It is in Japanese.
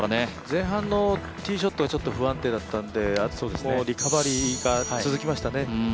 前半のティーショット不安定だったんでリカバリーが続きましたね。